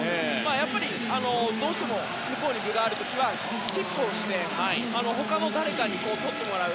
やっぱり、どうしても向こうに分がある時はチップをして他の誰かにとってもらう。